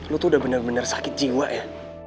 lu tuh udah bener bener sakit jiwa ya